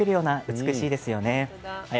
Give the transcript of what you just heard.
美しいですよね。